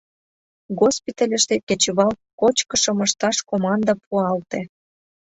Госпитальыште кечывал кочкышым ышташ команда пуалте.